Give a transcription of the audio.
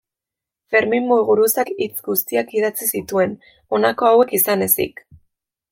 Fermin Muguruzak hitz guztiak idatzi zituen, honako hauek izan ezik.